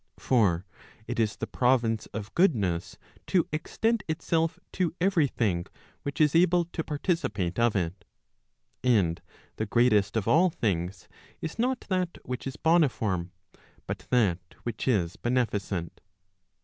For it is the province of goodness to extend itself Digitized by t^OOQLe 384 ELEMENTS PROP. CXXIII. to every thing which is able to participate of it. And the greatest of all things is not that which is boniform, but that which is beneficent.